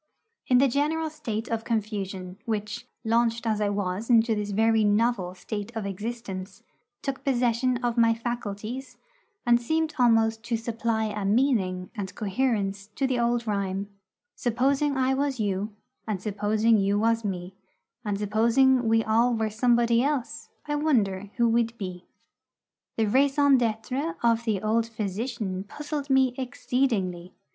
In the general state of confusion which, launched as I was into this very novel state of existence, took possession of my faculties, and seemed almost to supply a meaning and coherence to the old rhyme, Supposing I was you, And supposing you was me, And supposing we all were somebody else, I wonder who we'd be! the raison d'être of the old physician puzzled me exceedingly.